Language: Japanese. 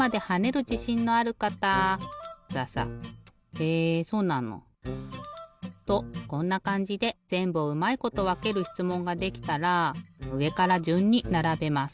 へえそうなの！とこんなかんじでぜんぶをうまいことわけるしつもんができたらうえからじゅんにならべます。